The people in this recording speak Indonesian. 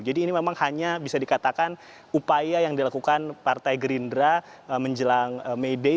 jadi ini memang hanya bisa dikatakan upaya yang dilakukan partai gerindra menjelang may day